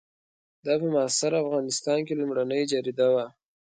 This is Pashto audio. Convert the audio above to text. دا په معاصر افغانستان کې لومړنۍ جریده وه.